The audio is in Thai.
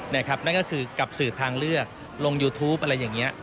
นั่นก็คือกับสื่อทางเลือกลงยูทูปอะไรอย่างนี้